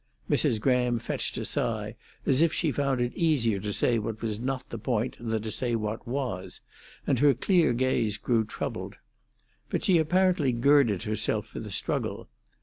Mrs. Graham fetched a sigh, as if she found it easier to say what was not the point than to say what was, and her clear gaze grew troubled. But she apparently girded herself for the struggle.